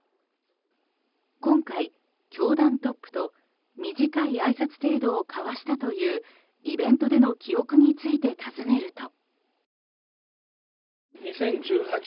今回、教団トップと短いあいさつ程度を交わしたというイベントでの記憶について尋ねると。